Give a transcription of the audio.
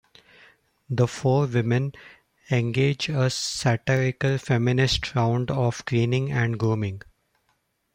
The four women engage a satirical feminist round of cleaning and grooming.